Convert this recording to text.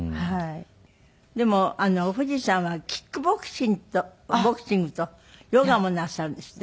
でも藤さんはキックボクシングとヨガもなさるんですって？